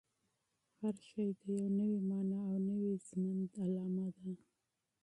هر شی د یوې نوې مانا او نوي ژوند نښه وه.